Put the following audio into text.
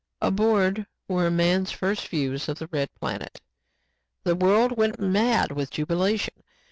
Aboard were man's first views of the red planet. The world went mad with jubilation.